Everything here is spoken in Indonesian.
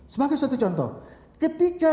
sebagai suatu contoh ketika